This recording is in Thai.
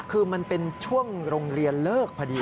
คือมันเป็นช่วงโรงเรียนเลิกพอดี